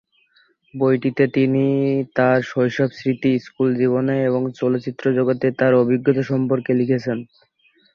বইটিতে তিনি তাঁর শৈশব স্মৃতি, স্কুল জীবন এবং চলচ্চিত্র জগতে তাঁর অভিজ্ঞতা সম্পর্কে লিখেছেন।